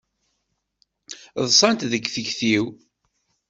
Ḍsan deg tikti-w.